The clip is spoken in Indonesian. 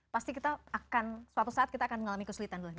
pasti kita akan suatu saat kita akan mengalami kesulitan dulu